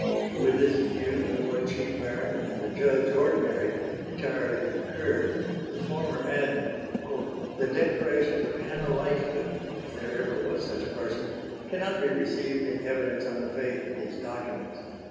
With this view the Lord Chief Baron and the Judge Ordinary entirely concurred, the former adding: "... the declarations of Hannah Lightfoot, if there ever was such a person, cannot be received in evidence on the faith of these documents